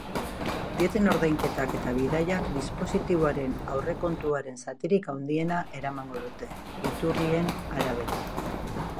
Dieten ordainketak eta bidaiak dispositiboaren aurrekontuaren zatirik handiena eramango dute, iturrien arabera.